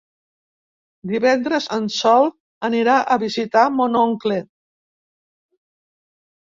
Divendres en Sol anirà a visitar mon oncle.